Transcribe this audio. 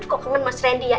kok kangen mas randy ya